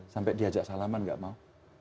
sampai diajak salaman nggak mau